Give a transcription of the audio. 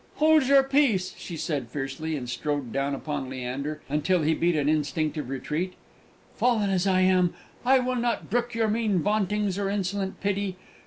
"Hold your peace!" she said fiercely, and strode down upon Leander until he beat an instinctive retreat. "Fallen as I am, I will not brook your mean vauntings or insolent pity!